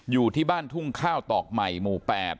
อยู่ที่บ้านทุ่งข้าวตอกใหม่หมู่๘